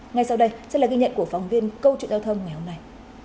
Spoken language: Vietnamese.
ngay sau đây sẽ là ghi nhận của phóng viên câu chuyện giao thông ngày hôm nay